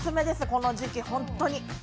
この時期、本当に。